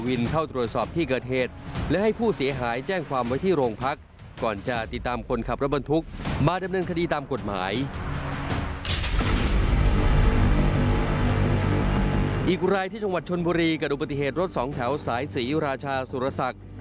อีกรายที่ช่วงบัตรชวนบุรีกระดูกปฏิเหตุรถสองแถวสายศรีราชาสุรศักดิ์